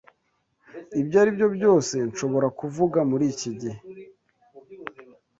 Ibyo aribyo byose nshobora kuvuga muriki gihe.